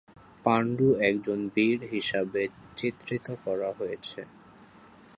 পাণ্ডু একজন বীর হিসাবে চিত্রিত করা হয়েছে।